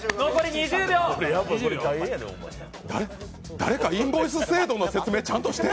誰かインボイス制度の説明ちゃんとして！